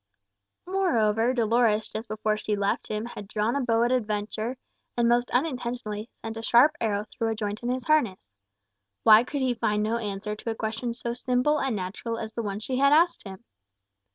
Moreover, Dolores, just before she left him, had drawn a bow at a venture, and most unintentionally sent a sharp arrow through a joint in his harness. Why could he find no answer to a question so simple and natural as the one she had asked him?